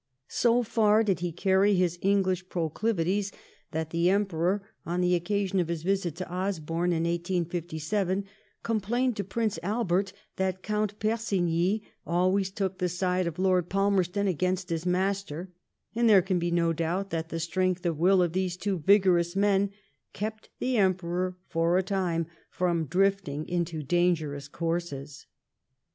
So far did he carry his English proclivities, that the Emperor, on the occa sion of his visit to Osborne in 18575 complained to Frince Albert that Count Fersigny always took the side of Lord Falmerston against his master ; and there can be no doubt that the strength of will of these two vigorous men kept the Emperor for a time from drift ing into dangerous courses.